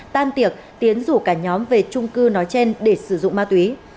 tam tiệc tiến rủ cả nhóm về trung cư nói chen để sử dụng ma túy